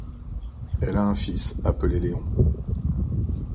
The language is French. Elle a un fils appelé Leon.